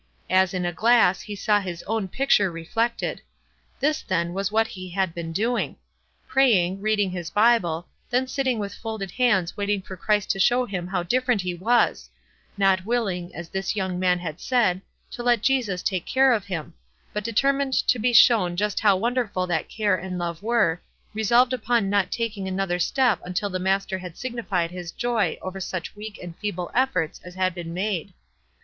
As in a glass he saw his own picture reflected. This, then, was what he had been doing. Pray ing, reading his Bible, then sitting with folded bands waiting for Christ to show him how dif ferent he was — not willing, as this young man 16 242 WISE AND OTHERWISE. had said, to let Jesus take care of him ; but de termined to be shown just how wonderful that care and love were, resolved upon not taking another step until the Master had signified his joy over such weak and feeble efforts as had been made.